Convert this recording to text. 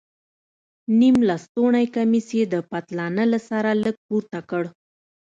نيم لستوڼى کميس يې د پتلانه له سره لږ پورته کړ.